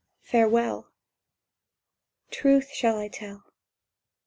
Farewell! —Truth shall I tell?